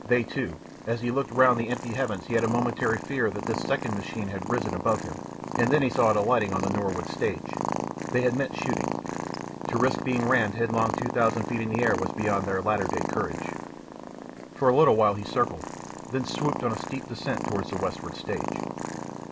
"They too ." As he looked round the empty heavens he had a momentary fear that this second machine had risen above him, and then he saw it alighting on the Norwood stage. They had meant shooting. To risk being rammed headlong two thousand feet in the air was beyond their latter day courage.... For a little while he circled, then swooped in a steep descent towards the westward stage.